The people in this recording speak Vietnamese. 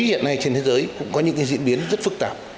hiện nay trên thế giới cũng có những diễn biến rất phức tạp